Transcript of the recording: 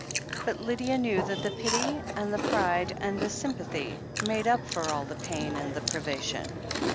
But Lydia knew that the pity, and the pride, and the sympathy made up for all the pain and the privation.